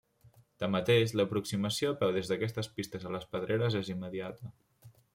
Tanmateix, l'aproximació a peu des d'aquestes pistes a les pedreres és immediata.